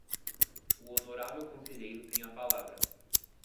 O honorável conselheiro tem a palavra.